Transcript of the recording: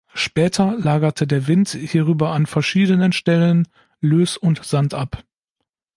Später lagerte der Wind hierüber an verschiedenen Stellen Löss und Sand ab.